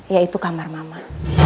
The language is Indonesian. yaitu kamar mama